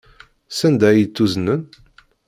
Sanda ay tt-uznen?